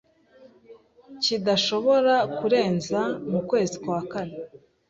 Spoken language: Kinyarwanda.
kidashobora kurenza mu kwezi kwa kane